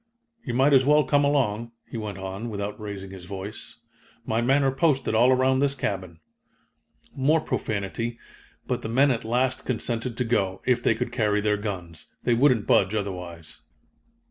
"You might as well come along," he went on, without raising his voice. "My men are posted all around this cabin." More profanity, but the men at last consented to go, if they could carry their guns. They wouldn't budge otherwise.